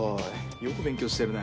よく勉強してるね。